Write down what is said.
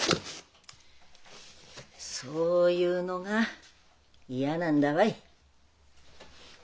そういうのが嫌なんだわい。